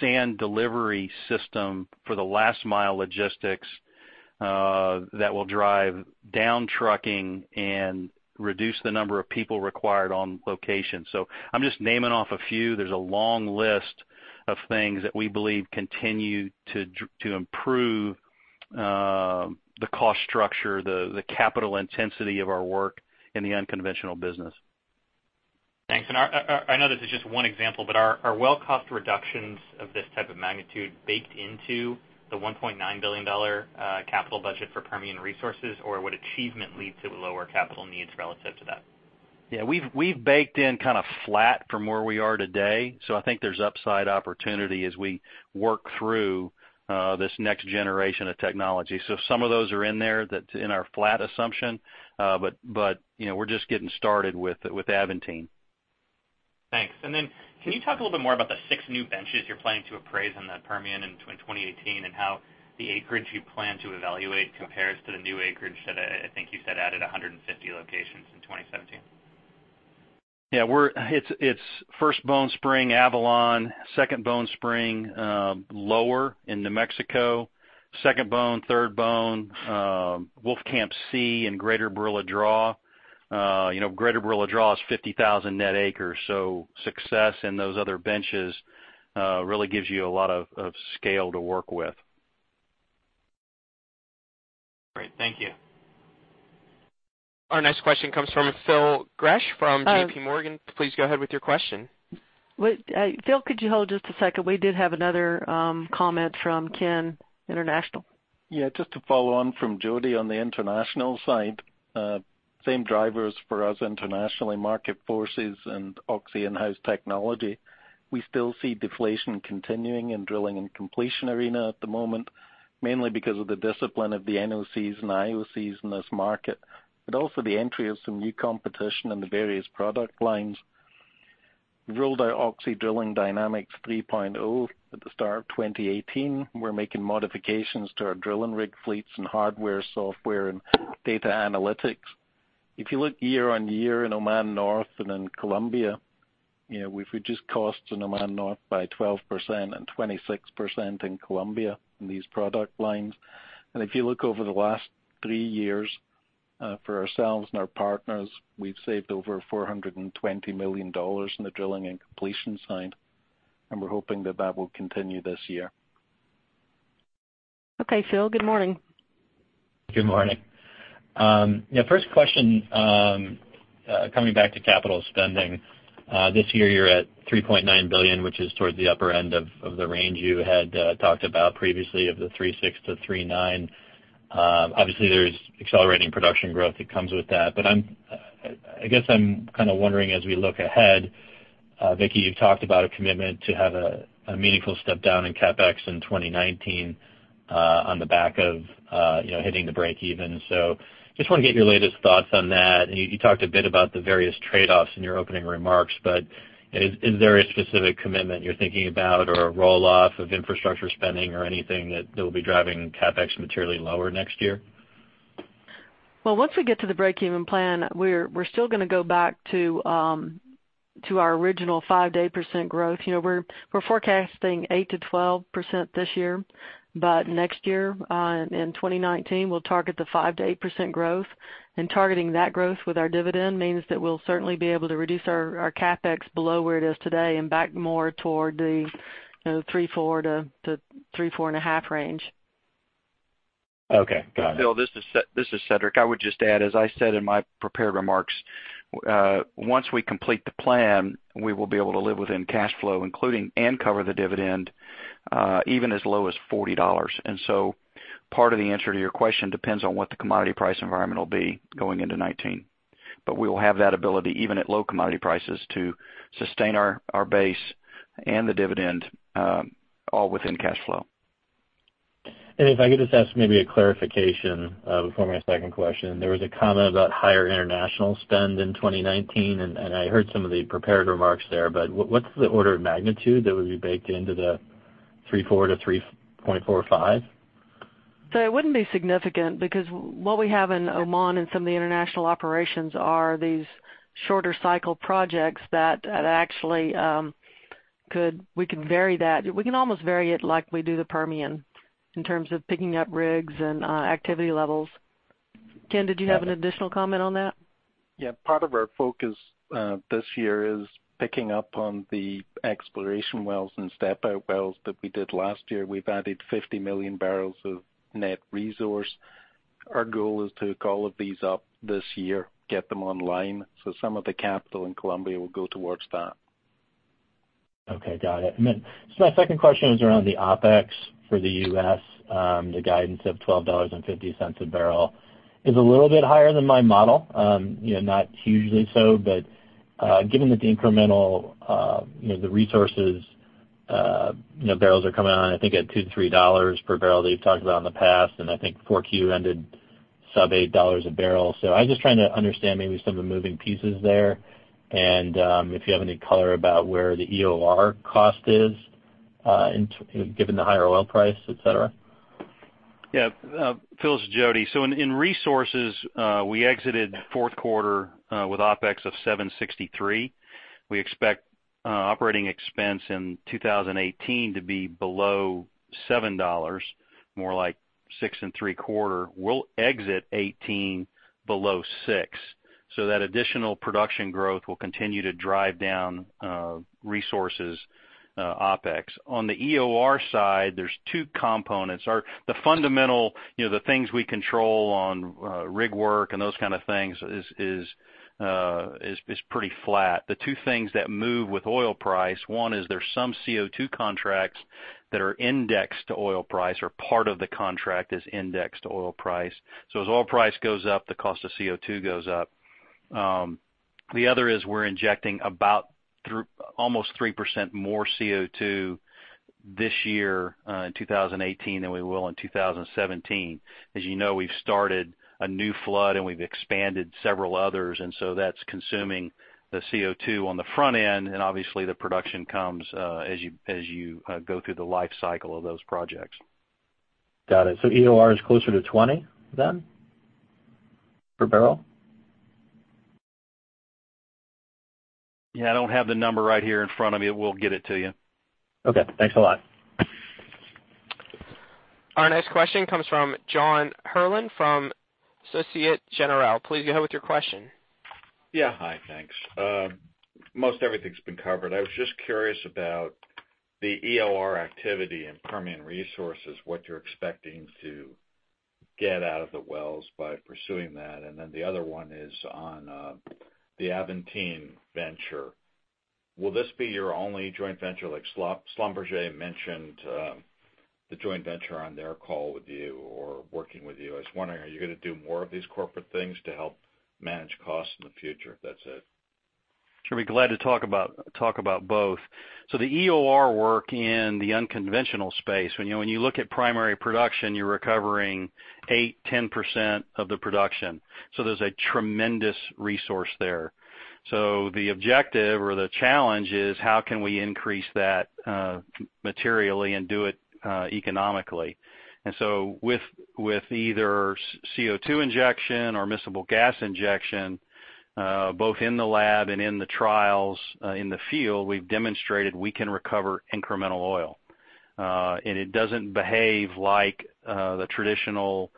sand delivery system for the last mile logistics that will drive down trucking and reduce the number of people required on location. I'm just naming off a few. There's a long list of things that we believe continue to improve the cost structure, the capital intensity of our work in the unconventional business. Thanks. I know this is just one example, but are well cost reductions of this type of magnitude baked into the $1.9 billion capital budget for Permian Resources, or would achievement lead to lower capital needs relative to that? We've baked in kind of flat from where we are today. I think there's upside opportunity as we work through this next generation of technology. Some of those are in there, that's in our flat assumption. We're just getting started with Aventine. Thanks. Can you talk a little bit more about the six new benches you're planning to appraise in the Permian in 2018, and how the acreage you plan to evaluate compares to the new acreage that I think you said added 150 locations in 2017? Yeah. It's First Bone Spring Avalon, Second Bone Spring Lower in New Mexico, Second Bone, Third Bone, Wolfcamp C in Greater Barilla Draw. Greater Barilla Draw is 50,000 net acres, success in those other benches really gives you a lot of scale to work with. Great. Thank you. Our next question comes from Phil Gresh from JPMorgan. Please go ahead with your question. Phil, could you hold just a second? We did have another comment from Ken International. Yeah. Just to follow on from Jody on the international side. Same drivers for us internationally, market forces and Oxy in-house technology. We still see deflation continuing in drilling and completion arena at the moment, mainly because of the discipline of the NOCs and IOCs in this market, but also the entry of some new competition in the various product lines. We've rolled out Oxy Drilling Dynamics 3.0 at the start of 2018. We're making modifications to our drilling rig fleets and hardware, software, and data analytics. If you look year-on-year in Oman North and in Colombia, we've reduced costs in Oman North by 12% and 26% in Colombia in these product lines. If you look over the last three years for ourselves and our partners, we've saved over $420 million in the drilling and completion side, and we're hoping that that will continue this year. Okay, Phil. Good morning. Good morning. First question, coming back to capital spending. This year you're at $3.9 billion, which is towards the upper end of the range you had talked about previously of the $3.6 billion-$3.9 billion. Obviously, there's accelerating production growth that comes with that. I guess I'm kind of wondering as we look ahead, Vicki, you talked about a commitment to have a meaningful step down in CapEx in 2019 on the back of hitting the breakeven. Just want to get your latest thoughts on that. You talked a bit about the various trade-offs in your opening remarks, is there a specific commitment you're thinking about, or a roll-off of infrastructure spending, or anything that will be driving CapEx materially lower next year? Well, once we get to the breakeven plan, we're still going to go back to our original 5%-8% growth. We're forecasting 8%-12% this year, next year in 2019, we'll target the 5%-8% growth. Targeting that growth with our dividend means that we'll certainly be able to reduce our CapEx below where it is today and back more toward the $3.4 billion-$3.5 billion range. Okay. Got it. Phil, this is Cedric. I would just add, as I said in my prepared remarks Once we complete the plan, we will be able to live within cash flow, including and cover the dividend, even as low as $40. Part of the answer to your question depends on what the commodity price environment will be going into 2019. We will have that ability, even at low commodity prices, to sustain our base and the dividend, all within cash flow. If I could just ask maybe a clarification before my second question. There was a comment about higher international spend in 2019, and I heard some of the prepared remarks there, but what's the order of magnitude that would be baked into the 3.4-3.45? It wouldn't be significant because what we have in Oman and some of the international operations are these shorter cycle projects that actually we can vary that. We can almost vary it like we do the Permian in terms of picking up rigs and activity levels. Ken, did you have an additional comment on that? Part of our focus this year is picking up on the exploration wells and step-out wells that we did last year. We've added 50 million barrels of net resource. Our goal is to call these up this year, get them online. Some of the capital in Colombia will go towards that. Got it. My second question is around the OpEx for the U.S., the guidance of $12.50 a barrel is a little bit higher than my model. Not hugely so, but given that the incremental, the resources, barrels are coming on, I think, at $2-$3 per barrel that you've talked about in the past, and I think 4Q ended sub $8 a barrel. I'm just trying to understand maybe some of the moving pieces there and if you have any color about where the EOR cost is given the higher oil price, et cetera. Phil, this is Jody. In resources, we exited Q4 with OpEx of $7.63. We expect operating expense in 2018 to be below $7, more like $6 and three-quarter. We'll exit 2018 below $6, that additional production growth will continue to drive down resources OpEx. On the EOR side, there's two components. The fundamental, the things we control on rig work and those kind of things is pretty flat. The two things that move with oil price, one is there's some CO2 contracts that are indexed to oil price, or part of the contract is indexed to oil price. As oil price goes up, the cost of CO2 goes up. The other is we're injecting about almost 3% more CO2 this year in 2018 than we will in 2017. As you know, we've started a new flood, we've expanded several others, that's consuming the CO2 on the front end, obviously the production comes as you go through the life cycle of those projects. Got it. EOR is closer to $20 then, per barrel? Yeah, I don't have the number right here in front of me, we'll get it to you. Okay, thanks a lot. Our next question comes from John Herrlin from Societe Generale. Please go ahead with your question. Yeah. Hi, thanks. Most everything's been covered. I was just curious about the EOR activity in Permian Resources, what you're expecting to get out of the wells by pursuing that. The other one is on the Aventine venture. Will this be your only joint venture? Like Schlumberger mentioned the joint venture on their call with you or working with you. I was wondering, are you going to do more of these corporate things to help manage costs in the future? That's it. Sure. Be glad to talk about both. The EOR work in the unconventional space, when you look at primary production, you're recovering 8%, 10% of the production. There's a tremendous resource there. The objective or the challenge is how can we increase that materially and do it economically. With either CO2 injection or miscible gas injection, both in the lab and in the trials in the field, we've demonstrated we can recover incremental oil. It doesn't behave like the traditional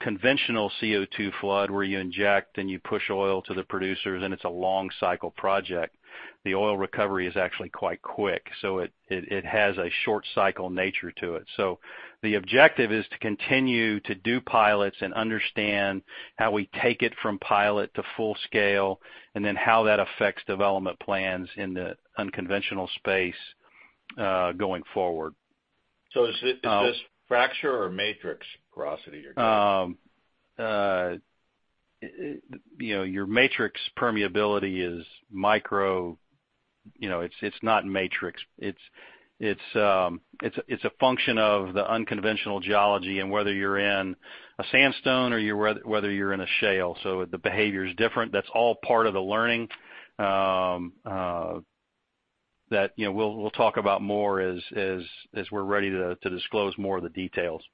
conventional CO2 flood where you inject, then you push oil to the producer, then it's a long cycle project. The oil recovery is actually quite quick, so it has a short cycle nature to it. The objective is to continue to do pilots and understand how we take it from pilot to full scale, and then how that affects development plans in the unconventional space going forward. Is this fracture or matrix porosity you're getting? Your matrix permeability is micro. It's not matrix. It's a function of the unconventional geology and whether you're in a sandstone or whether you're in a shale. The behavior is different. That's all part of the learning that we'll talk about more as we're ready to disclose more of the details. Great.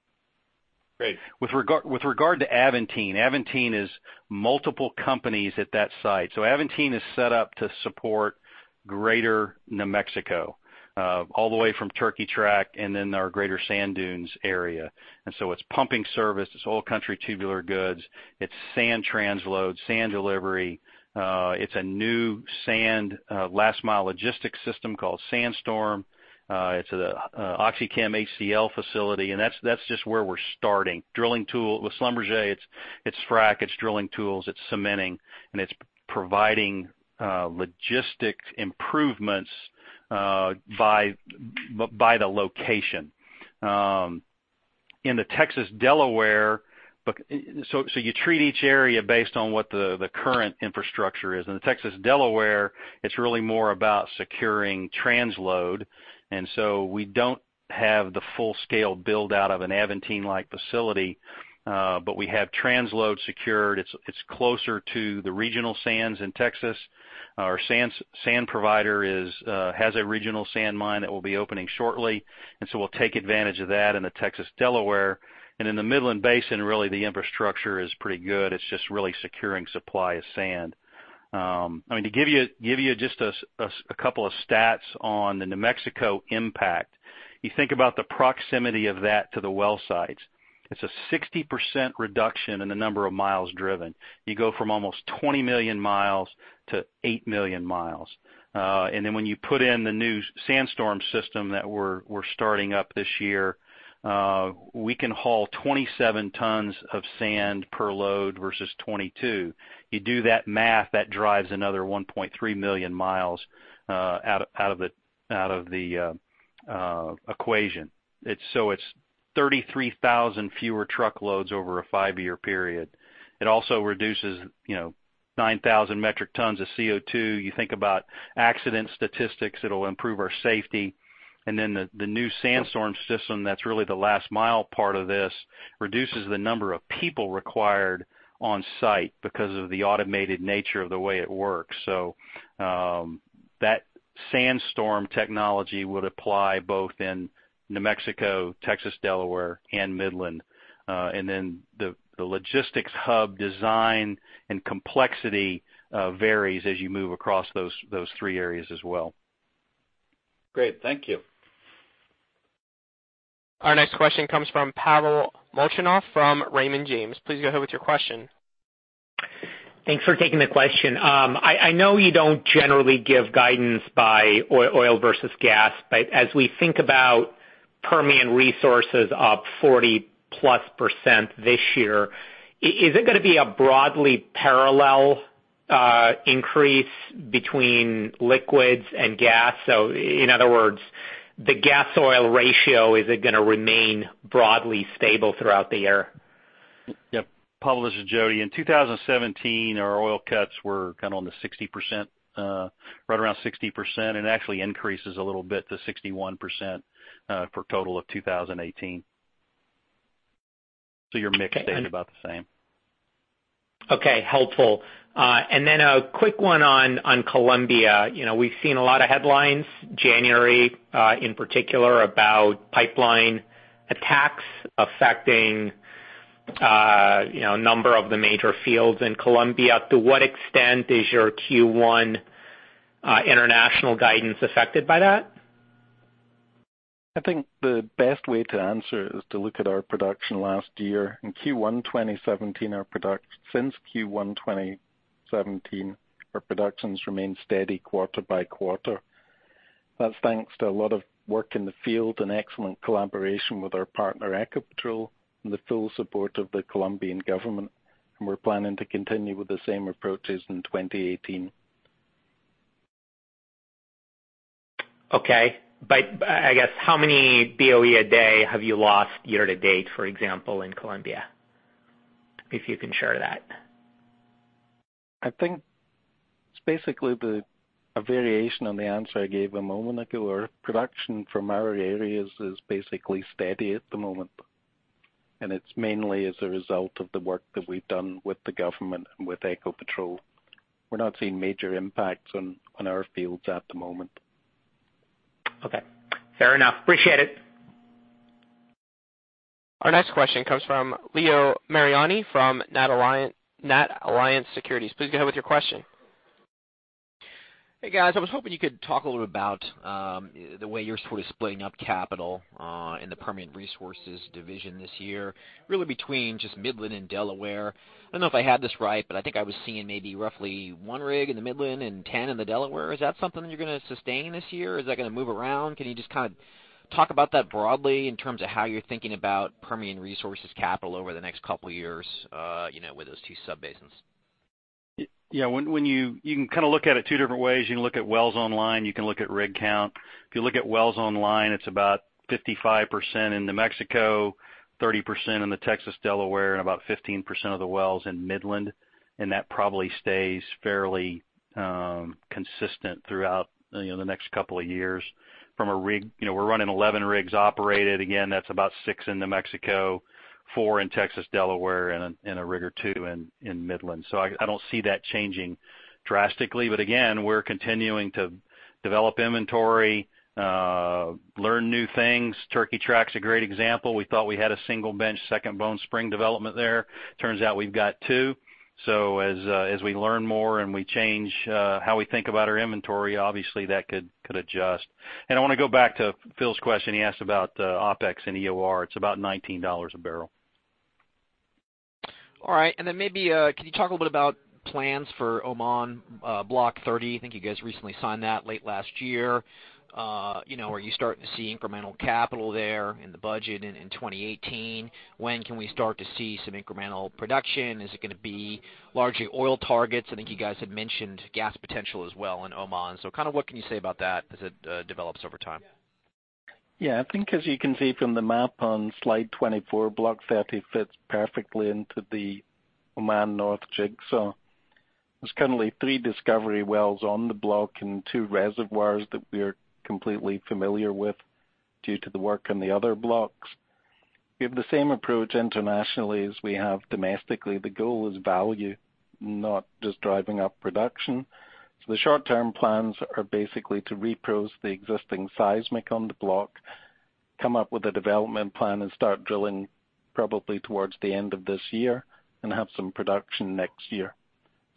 With regard to Aventine is multiple companies at that site. Aventine is set up to support greater New Mexico, all the way from Turkey Track and then our Greater Sand Dunes area. It's pumping service, it's Oil Country Tubular Goods, it's sand transload, sand delivery. It's a new sand last mile logistics system called SANDSTORM. It's an OxyChem HCL facility, and that's just where we're starting. Drilling tool with Schlumberger, it's frack, it's drilling tools, it's cementing, and it's providing logistics improvements by the location. In the Texas Delaware. You treat each area based on what the current infrastructure is. In the Texas Delaware, it's really more about securing transload, we don't have the full-scale build-out of an Aventine-like facility. We have transload secured. It's closer to the regional sands in Texas. Our sand provider has a regional sand mine that will be opening shortly. We'll take advantage of that in the Texas Delaware. In the Midland Basin, really, the infrastructure is pretty good. It's just really securing supply of sand. To give you just a couple of stats on the New Mexico impact, you think about the proximity of that to the well sites. It's a 60% reduction in the number of miles driven. You go from almost 20 million miles to eight million miles. When you put in the new SANDSTORM system that we're starting up this year, we can haul 27 tons of sand per load versus 22. You do that math, that drives another 1.3 million miles out of the equation. It's 33,000 fewer truckloads over a five-year period. It also reduces 9,000 metric tons of CO2. You think about accident statistics, it'll improve our safety. The new SANDSTORM system, that's really the last-mile part of this, reduces the number of people required on-site because of the automated nature of the way it works. That SANDSTORM technology would apply both in New Mexico, Texas, Delaware, and Midland. The logistics hub design and complexity varies as you move across those three areas as well. Great. Thank you. Our next question comes from Pavel Molchanov from Raymond James. Please go ahead with your question. Thanks for taking the question. I know you don't generally give guidance by oil versus gas, but as we think about Permian Resources up 40%+ this year, is it going to be a broadly parallel increase between liquids and gas? In other words, the gas-oil ratio, is it going to remain broadly stable throughout the year? Yep. Pavel, this is Jody. In 2017, our productions were right around 60%, and it actually increases a little bit to 61% for a total of 2018. Your mix stays about the same. Okay. Helpful. Then a quick one on Colombia. We've seen a lot of headlines, January in particular, about pipeline attacks affecting a number of the major fields in Colombia. To what extent is your Q1 international guidance affected by that? I think the best way to answer it is to look at our production last year. Since Q1 2017, our productions remain steady quarter by quarter. That's thanks to a lot of work in the field and excellent collaboration with our partner, Ecopetrol, and the full support of the Colombian government, we're planning to continue with the same approaches in 2018. Okay. I guess, how many BOE a day have you lost year to date, for example, in Colombia? If you can share that. I think it's basically a variation on the answer I gave a moment ago. Our production from our areas is basically steady at the moment, and it's mainly as a result of the work that we've done with the government and with Ecopetrol. We're not seeing major impacts on our fields at the moment. Okay. Fair enough. Appreciate it. Our next question comes from Leo Mariani from NatAlliance Securities. Please go ahead with your question. Hey, guys. I was hoping you could talk a little bit about the way you're sort of splitting up capital in the Permian Resources division this year, really between just Midland and Delaware. I don't know if I have this right, but I think I was seeing maybe roughly one rig in the Midland and 10 in the Delaware. Is that something you're going to sustain this year? Is that going to move around? Can you just talk about that broadly in terms of how you're thinking about Permian Resources capital over the next couple of years with those two subbasins? Yeah. You can look at it two different ways. You can look at wells online, you can look at rig count. If you look at wells online, it's about 55% in New Mexico, 30% in the Texas Delaware, and about 15% of the wells in Midland. That probably stays fairly consistent throughout the next couple of years. From a rig, we're running 11 rigs operated. Again, that's about six in New Mexico, four in Texas Delaware, and a rig or two in Midland. I don't see that changing drastically. But again, we're continuing to develop inventory, learn new things. Turkey Track's a great example. We thought we had a single bench, Second Bone Spring development there. Turns out we've got two. As we learn more and we change how we think about our inventory, obviously that could adjust. I want to go back to Phil's question. He asked about the OpEx and EOR. It's about $19 a barrel. All right. Then maybe, can you talk a little bit about plans for Oman, Block 30? I think you guys recently signed that late last year. Are you starting to see incremental capital there in the budget in 2018? When can we start to see some incremental production? Is it going to be largely oil targets? I think you guys had mentioned gas potential as well in Oman. What can you say about that as it develops over time? I think as you can see from the map on slide 24, Block 30 fits perfectly into the Oman North jigsaw. There's currently three discovery wells on the block and two reservoirs that we're completely familiar with due to the work on the other blocks. We have the same approach internationally as we have domestically. The goal is value, not just driving up production. The short-term plans are basically to reprocess the existing seismic on the block, come up with a development plan, and start drilling probably towards the end of this year, and have some production next year.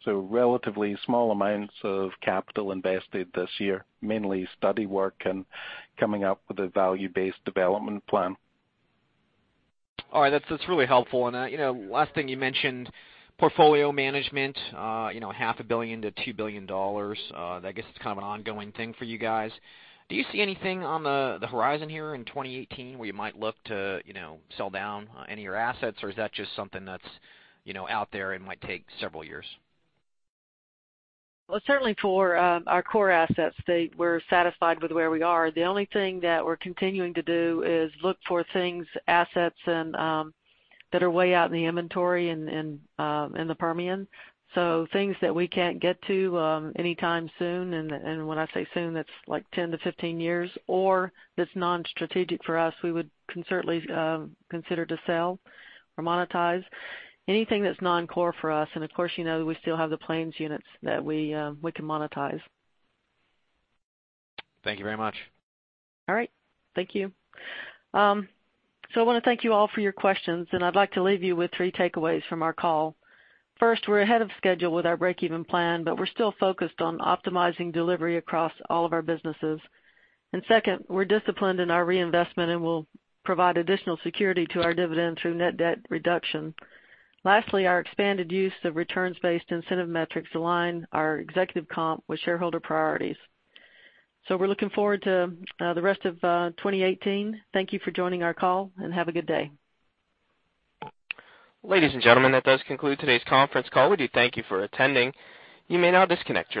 Relatively small amounts of capital invested this year, mainly study work and coming up with a value-based development plan. All right. That's really helpful. Last thing, you mentioned portfolio management, half a billion to $2 billion. I guess it's an ongoing thing for you guys. Do you see anything on the horizon here in 2018 where you might look to sell down any of your assets, or is that just something that's out there and might take several years? Well, certainly for our core assets, we're satisfied with where we are. The only thing that we're continuing to do is look for things, assets that are way out in the inventory in the Permian. Things that we can't get to anytime soon, and when I say soon, that's 10-15 years, or that's non-strategic for us, we would certainly consider to sell or monetize. Anything that's non-core for us, and of course, you know we still have the Plains units that we can monetize. Thank you very much. All right. Thank you. I want to thank you all for your questions, I'd like to leave you with three takeaways from our call. First, we're ahead of schedule with our breakeven plan, we're still focused on optimizing delivery across all of our businesses. Second, we're disciplined in our reinvestment and will provide additional security to our dividend through net debt reduction. Lastly, our expanded use of returns-based incentive metrics align our executive comp with shareholder priorities. We're looking forward to the rest of 2018. Thank you for joining our call, and have a good day. Ladies and gentlemen, that does conclude today's conference call. We do thank you for attending. You may now disconnect your lines.